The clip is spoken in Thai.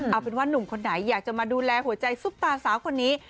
เอาเป็นว่านุ่มคนไหนอยากจะมาดูแลหัวใจซุปตาสาวคนนี้